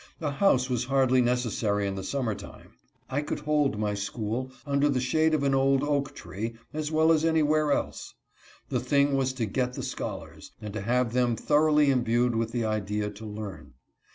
A house was hardly necessary in the summer time ; I could hold my school under the shade of an old oak tree as well as any where else. The thing was to get the scholars, and to have them thoroughly imbued with the idea to learn.